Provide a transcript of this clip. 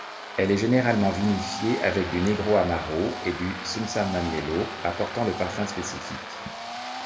Elle est généralement vinifiée avec du negroamaro et du susamaniello, apportant le parfum spécifique.